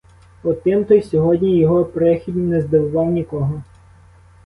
От тим-то й сьогодні його прихід не здивував нікого.